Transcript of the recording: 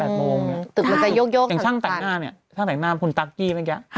ตอนเช้า๘โมงตึกมันจะโยกอย่างช่างแต่งหน้าช่างแต่งหน้าคุณตั๊กกี้มันแยะ